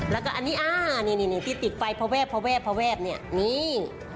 แล้วก็อันนี้นี่ที่ติดไฟพระแวบนี่